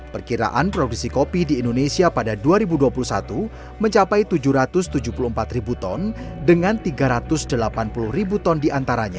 perkiraan produksi kopi di indonesia pada dua ribu dua puluh satu mencapai tujuh ratus tujuh puluh empat ribu ton dengan tiga ratus delapan puluh ribu ton diantaranya